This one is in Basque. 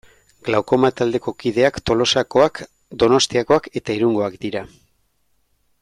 Glaukoma taldeko kideak Tolosakoak, Donostiakoak eta Irungoak dira.